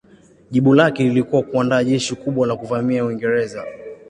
Jibu lake lilikuwa kuandaa jeshi kubwa la kuvamia Uingereza.